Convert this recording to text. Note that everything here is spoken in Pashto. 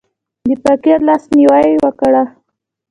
د فقیر لاس نیوی وکړه.